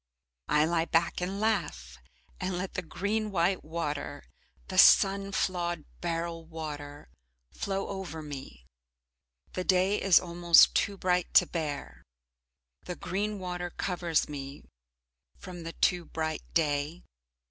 I lie back and laugh, and let the green white water, the sun flawed beryl water, flow over me. The day is almost too bright to bear, the green water covers me from the too bright day.